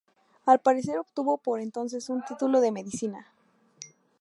Al parecer obtuvo por entonces un título de medicina.